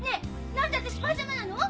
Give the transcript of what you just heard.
何で私パジャマなの？